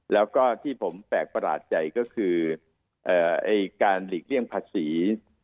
แล้วก็ที่ผมแปลกประหลาดใจก็คือการหลีกเลี่ยงภาษี